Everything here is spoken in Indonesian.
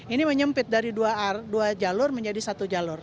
ini menyempit dari dua jalur menjadi satu jalur